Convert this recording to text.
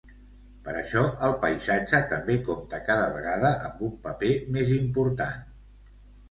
Per això, el paisatge també compta cada vegada amb un paper més important.